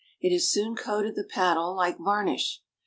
It has soon coated the paddle like varnish.